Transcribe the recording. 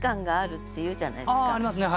ああありますね。